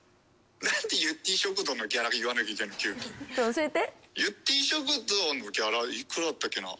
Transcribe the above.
教えて。